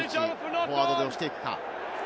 フォワードにおしていくか。